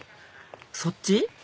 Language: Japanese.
そっち？